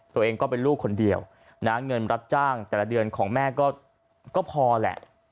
ตัวเองก็เป็นลูกคนเดียวนะเงินรับจ้างแต่ละเดือนของแม่ก็พอแหละ